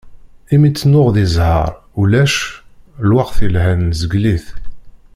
Imi tt-nuɣ di ẓẓher, ulac ; lweqt yelhan nezgel-it.